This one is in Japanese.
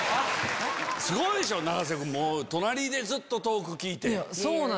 すごいでしょ永瀬君隣でずっとトーク聞いて。